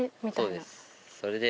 それで。